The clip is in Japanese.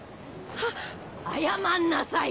ハッ⁉謝んなさい！